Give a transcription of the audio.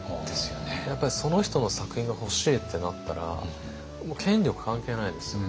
やっぱりその人の作品が欲しいってなったらもう権力関係ないですよね。